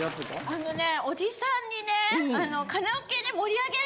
あのね。